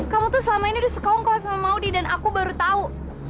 kamu tuh selama ini disekongkol sama maudie dan aku baru tahu